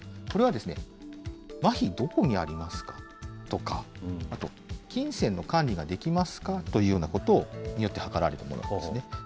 これはですね、まひ、どこにありますかとか、あと、金銭の管理ができますかというようなことをはかられたものなんですね。